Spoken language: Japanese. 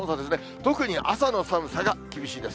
特に朝の寒さが厳しいです。